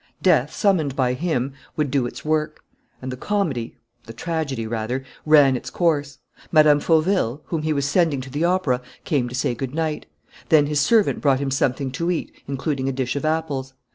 Death, summoned by him, would do its work.... And the comedy, the tragedy, rather, ran its course. Mme. Fauville, whom he was sending to the opera, came to say good night. Then his servant brought him something to eat, including a dish of apples.